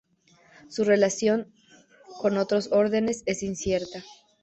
Su relación con otros órdenes es incierta.